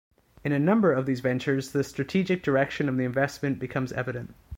In a number of these ventures the strategic direction of the investments becomes evident.